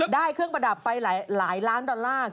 ได้เครื่องประดับไปหลายล้านดอลลาร์